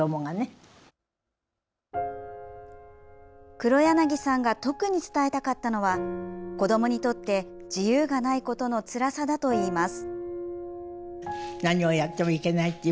黒柳さんが特に伝えたかったのは子どもにとって自由がないことのつらさだといいます。